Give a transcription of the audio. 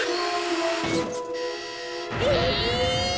え！